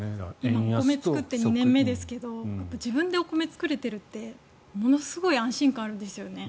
お米を作って２年目ですが自分でお米を作れているってものすごい安心感があるんですよね。